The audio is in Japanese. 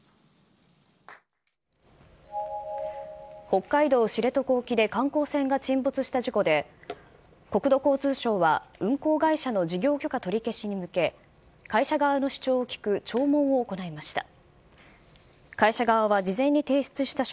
北海道知床沖で観光船が沈没した事故で、国土交通省は運航会社の事業許可取り消しに向け、会社側の主張を聞く聴聞を行いました。